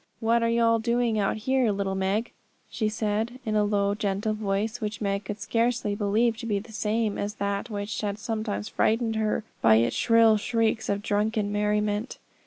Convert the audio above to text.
'What are you all doing out here, little Meg?' she said, in a low, gentle voice, which Meg could scarcely believe to be the same as that which had sometimes frightened her by its shrill shrieks of drunken merriment.